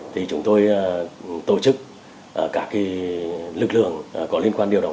thì chúng tôi tổ chức các lực lượng có liên quan điều động